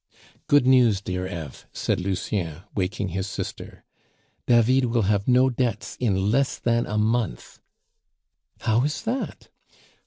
"Good news, dear Eve," said Lucien, waking his sister, "David will have no debts in less than a month!" "How is that?"